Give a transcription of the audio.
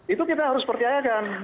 itu kita harus percayakan